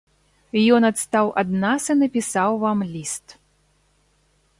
Ён адстаў ад нас і напісаў вам ліст.